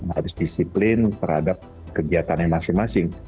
harus disiplin terhadap kegiatan yang masing masing